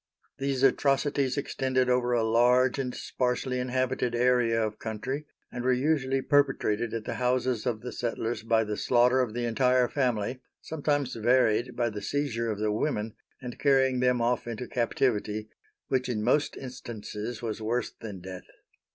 These atrocities extended over a large and sparsely inhabited area of country, and were usually perpetrated at the houses of the settlers by the slaughter of the entire family, sometimes varied by the seizure of the women, and carrying them off into captivity, which in most instances was worse than death.